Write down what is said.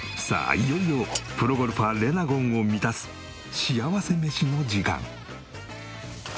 いよいよプロゴルファーレナゴンを満たすしあわせ飯の時間。